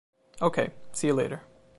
OK, see you later.